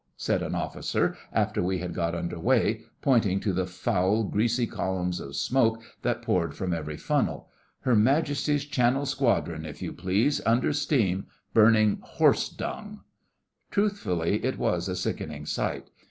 said an officer after we had got under way, pointing to the foul, greasy columns of smoke that poured from every funnel. 'Her Majesty's Channel Squadron, if you please, under steam, burning horse dung.' Truthfully, it was a sickening sight.